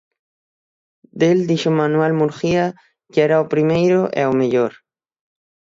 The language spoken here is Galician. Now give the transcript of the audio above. Del dixo Manuel Murguía que era o primeiro é o mellor.